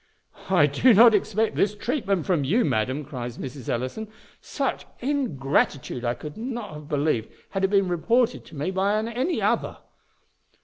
"I did not expect this treatment from you, madam," cries Mrs. Ellison; "such ingratitude I could not have believed had it been reported to me by any other."